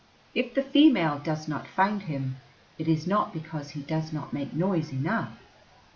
If the female does not find him, it is not because he does not make noise enough.